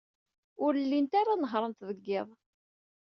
Ur llint ara nehhṛent deg yiḍ.